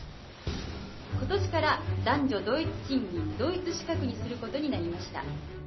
「今年から男女同一賃金同一資格にすることになりました」。